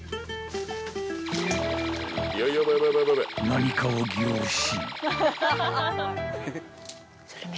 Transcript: ［何かを凝視］